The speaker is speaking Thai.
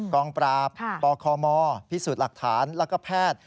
กองปราบปคมพิสูจน์หลักฐานแล้วก็แพทย์